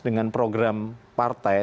dengan program partai